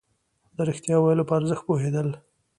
د رښتيا ويلو په ارزښت پوهېدل.